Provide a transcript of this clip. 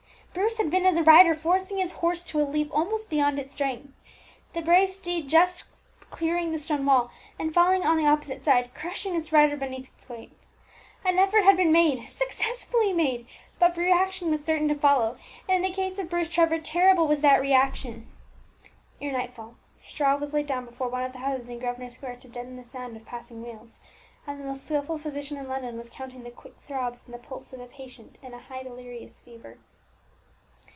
Bruce had been as a rider forcing his horse to a leap almost beyond its strength; the brave steed just clearing the stone wall, and falling on the opposite side, crushing its rider beneath its weight. An effort had been made, successfully made; but reaction was certain to follow, and in the case of Bruce Trevor terrible was that reaction. Ere nightfall straw was laid down before one of the houses in Grosvenor Square to deaden the sound of passing wheels, and the most skilful physician in London was counting the quick throbs in the pulse of a patient in a high delirious fever.